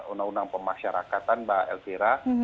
undang undang pemasyarakatan mbak elvira